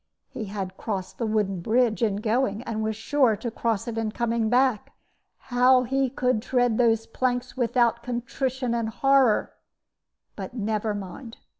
He had crossed the wooden bridge in going, and was sure to cross it in coming back. How he could tread those planks without contrition and horror but never mind.